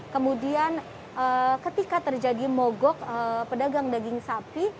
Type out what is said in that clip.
kemudian ketika terjadi mogok pedagang daging sapi